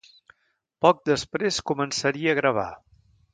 Poc després començaria a gravar.